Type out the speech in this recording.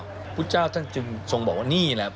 พระพุทธเจ้าท่านจึงทรงบอกว่านี่แหละ